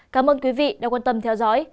cảm ơn quý vị đã quan tâm theo dõi